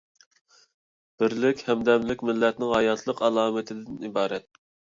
بىرلىك، ھەمدەملىك — مىللەتنىڭ ھاياتلىق ئالامىتىدىن ئىبارەت.